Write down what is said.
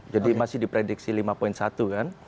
jadi masih diprediksi lima satu kan